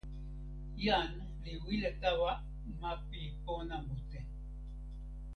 jan li wile tawa ma pi pona mute.